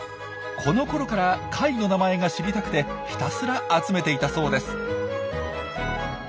このころから貝の名前が知りたくてひたすら集めていたそうです。